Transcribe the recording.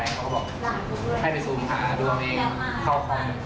แล้วก็บอกให้ไปซูมค่ะดูเอาเอง